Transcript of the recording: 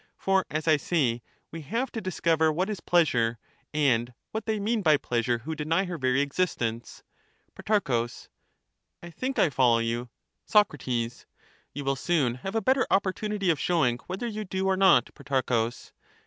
For, as I say, we have to dis cover what is pleasure, and what they mean by pleasure who deny her very existence. Pro, I think I follow you. Soc, You will soon have a better opportunity of showing whether you do or not, Protarchus.